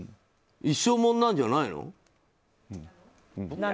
一生もんなんじゃないの？